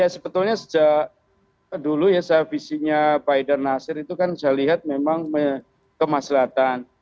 sebetulnya sejak dulu ya visinya pak haidar nasir itu kan saya lihat memang kemaslahan